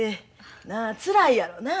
なあつらいやろなあ。